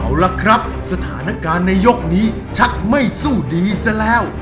เอาล่ะครับสถานการณ์ในยกนี้ชักไม่สู้ดีซะแล้ว